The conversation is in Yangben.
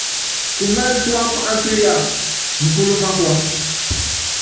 Tumɛlɛ́ tuámá á tuyáa, nupúlɔ́ mákua.